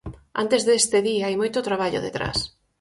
Antes deste día hai moito traballo detrás.